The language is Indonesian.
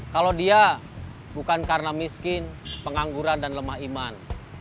kalau dia bukan karena miskin pengangguran dan lemah iman